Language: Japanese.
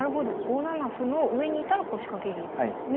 ５七歩の上にいたら腰掛け銀なんですね。